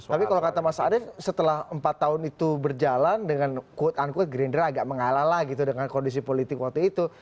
tapi kalau kata mas adek setelah empat tahun itu berjalan dengan quote unquote green drill agak mengalah lagi tuh dengan kondisi politik waktu itu